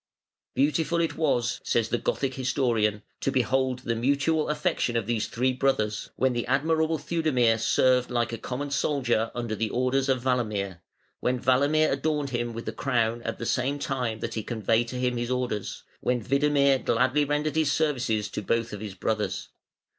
"Beautiful it was", says the Gothic historian, "to behold the mutual affection of these three brothers, when the admirable Theudemir served like a common soldier under the orders of Walamir; when Walamir adorned him with the crown at the same time that he conveyed to him his orders; when Widemir gladly rendered his services to both of his brothers".